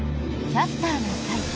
「キャスターな会」。